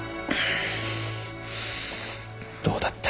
どうだった？